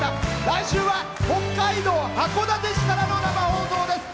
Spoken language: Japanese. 来週は北海道函館市からの生放送です。